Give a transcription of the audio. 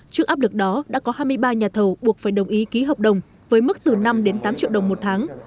trước áp lực đó đã có hai mươi ba nhà thầu buộc phải đồng ý ký hợp đồng với mức từ năm đến tám triệu đồng một tháng